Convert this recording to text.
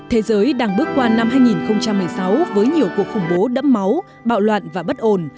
thế giới đang bước qua năm hai nghìn một mươi sáu với nhiều cuộc khủng bố đẫm máu bạo loạn và bất ổn